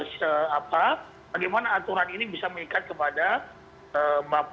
se apa bagaimana aturan ini bisa mengikat kepada pandemi covid sembilan belas